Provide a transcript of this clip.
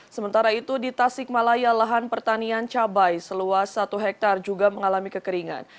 sementara itu di tasikmalaya lahan pertanian cabai seluas satu hektare juga mengalami kekeringan